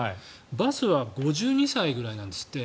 バスは５２歳ぐらいなんですって。